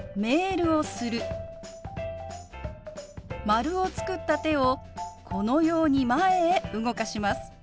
丸を作った手をこのように前へ動かします。